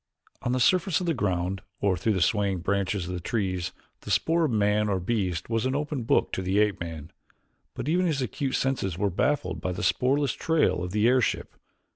On the surface of the ground or through the swaying branches of the trees the spoor of man or beast was an open book to the ape man, but even his acute senses were baffled by the spoorless trail of the airship.